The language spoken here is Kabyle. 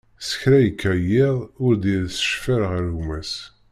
S kra yekka yiḍ, ur d-iris ccfer ɣef gma-s.